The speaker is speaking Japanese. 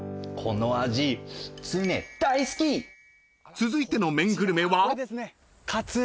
［続いての麺グルメは］